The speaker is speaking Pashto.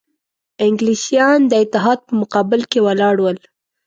انګلیسیان د اتحاد په مقابل کې ولاړ ول.